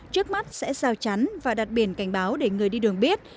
trước mắt sẽ giao chắn và đặt biển cảnh báo để người đi đường biết